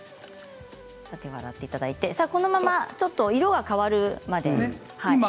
手を洗っていただいてこのままちょっと色が変わるまで。